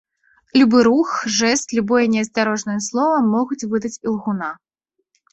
Любы рух, жэст, любое неасцярожнае слова могуць выдаць ілгуна.